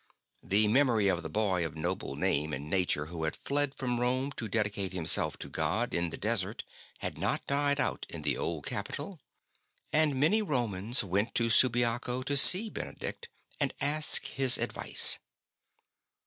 The memory of the boy of noble name and nature who had fled from Rome to dedicate himself to God in the desert had not died out in the old capital, and many Romans went to Subiaco to see Benedict and ask his advice.